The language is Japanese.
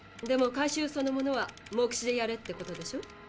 でも回収そのものは目視でやれってことでしょ？